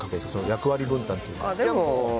役割分担というか。